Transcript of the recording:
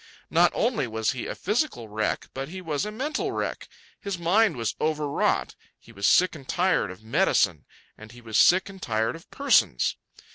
Not only was he a physical wreck, but he was a mental wreck. His mind was overwrought. He was sick and tired of medicine, and he was sick and tired of persons.